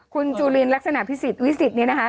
คุณจูลินลักษณะวิสิตนี้นะคะ